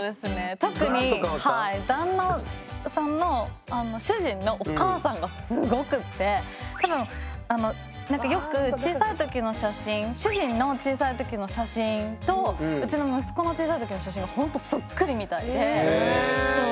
特に旦那さんの主人のお母さんがすごくって多分よく小さい時の写真主人の小さい時の写真とうちの息子の小さい時の写真がほんとそっくりみたいでそう。